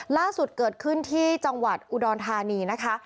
ล่าสุดเกิดขึ้นที่จังหวัดอุดรธานีนะคะ